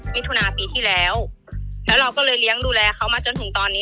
มิถุนาปีที่แล้วแล้วเราก็เลยเลี้ยงดูแลเขามาจนถึงตอนนี้